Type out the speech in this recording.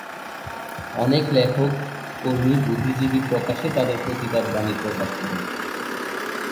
অনেক লেখক, কর্মী বুদ্ধিজীবী প্রকাশ্যে তাদের প্রতিবাদ বাণী প্রকাশ করেন।